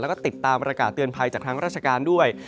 แล้วก็ติดตามประกาศเตือนภัยจากทางราชการด้วย